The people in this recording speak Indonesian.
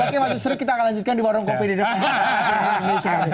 dialognya masih seru kita akan lanjutkan di warung kopi di depan